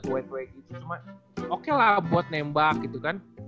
cuma oke lah buat nembak gitu kan